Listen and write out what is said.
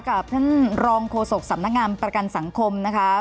กับท่านรองโฆษกสำนักงานประกันสังคมนะคะ